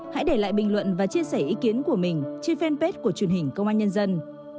hãy để lại bình luận và chia sẻ ý kiến của mình trên fanpage của truyền hình công an nhân dân